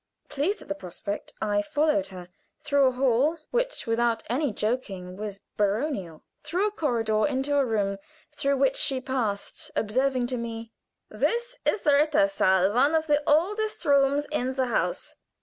Pleased at the prospect, I followed her; through a hall which without any joking was baronial; through a corridor into a room, through which she passed, observing to me: "This is the rittersaal, one of the oldest rooms in the house."